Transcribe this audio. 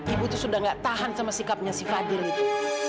ibu itu sudah gak tahan sama sikapnya si fadil itu